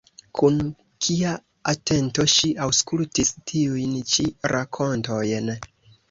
Kun kia atento ŝi aŭskultis tiujn ĉi rakontojn!